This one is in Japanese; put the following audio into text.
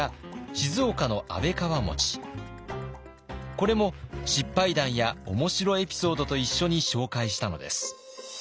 これも失敗談や面白エピソードと一緒に紹介したのです。